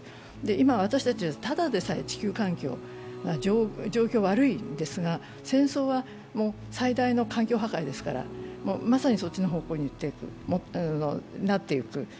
今、ただでさえ地球環境の状況が悪いわけですが戦争は最大の環境破壊ですからまさにそっちの方向になっていく。